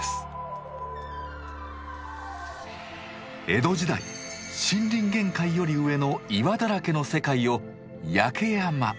江戸時代森林限界より上の岩だらけの世界を「焼山」。